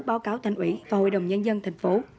báo cáo thành ủy và hội đồng nhân dân tp